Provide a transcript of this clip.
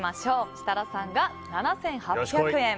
設楽さんが７８００円。